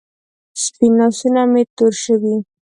سپین لاسونه مې تور شوې